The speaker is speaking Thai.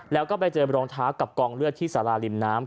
แล้วก็ไปเจอรองเท้ากับกองเลือดที่สาราริมน้ำ